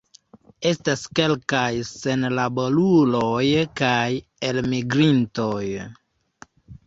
Estas kelkaj senlaboruloj kaj elmigrintoj.